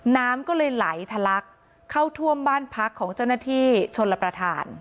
น้ำก็เลยไหลทะลักเข้าท่วมบ้านพักของเจ้าหน้าที่ชนรับประทาน